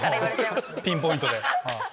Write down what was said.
ピンポイントで。